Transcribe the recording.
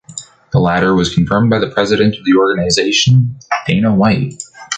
The latter was confirmed by the president of the organization, Dana White.